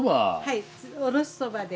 おろしそばで。